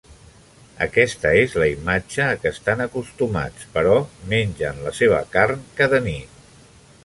Aquesta és la imatge a què estan acostumats, però mengen la seva carn cada nit.